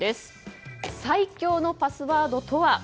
最強のパスワードとは？